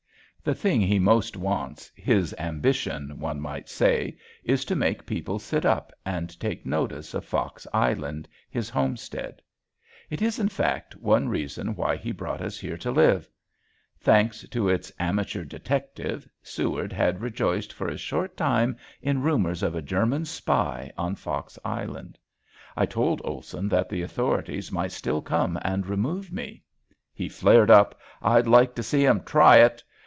The thing he most wants, his ambition, one might say, is to make people sit up and take notice of Fox Island, his homestead. It is in fact one reason why he brought us here to live. Thanks to its amateur detective, Seward had rejoiced for a short time in rumors of a German spy on Fox Island. I told Olson that the authorities might still come and remove me. He flared up, "I'd like to see them try it!